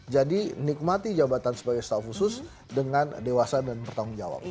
jadi nikmati jabatan sebagai staff khusus dengan dewasa dan bertanggung jawab